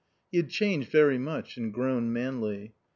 He had changed very much, and grown manly.